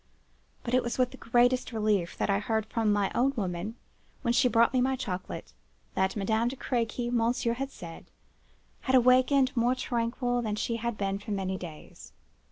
But it was with the greatest relief that I heard from my own woman, when she brought me my chocolate, that Madame de Crequy (Monsieur had said) had awakened more tranquil than she had been for many days.